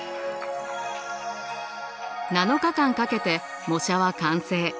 ７日間かけて模写は完成。